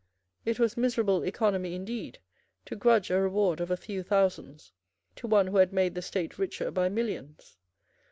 It was miserable economy indeed to grudge a reward of a few thousands to one who had made the State richer by millions.